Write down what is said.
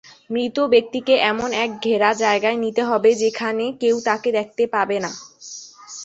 মৃত ব্যক্তিকে এমন এক ঘেরা জায়গায় নিতে হবে, যেখানে কেউ তাকে দেখতে পাবে না।